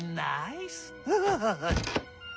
ウフフフフ。